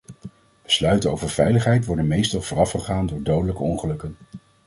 Besluiten over veiligheid worden meestal voorafgegaan door dodelijke ongelukken.